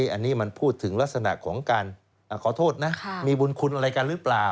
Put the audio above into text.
อันนี้มันพูดถึงลักษณะของการขอโทษนะมีบุญคุณอะไรกันหรือเปล่า